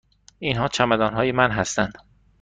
اینها چمدان های من هستند.